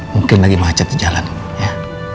mungkin lagi macet di jalan ya